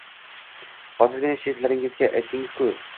Hozirgina sheriklaringizga aytdingiz-ku